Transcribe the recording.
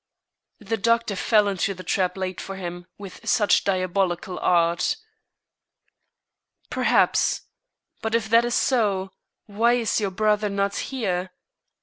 The doctor fell into the trap laid for him with such diabolical art. "Perhaps; but if that is so, why is your brother not here?